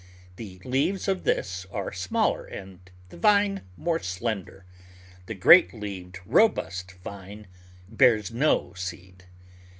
The leaves of this are smaller and the vine more slender. The great leaved, robust vine bears no seed.